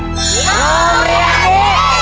โรงเรียนดี